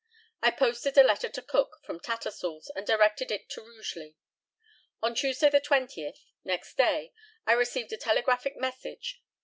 I posted a letter to Cook from Tattersall's, and directed it to Rugeley. On Tuesday the 20th, next day, I received a telegraphic message.